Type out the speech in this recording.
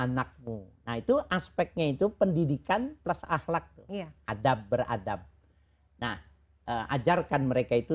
dan anakmu nah itu aspeknya itu pendidikan plus ahlak adab beradab nah ajarkan mereka itu